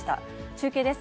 中継です。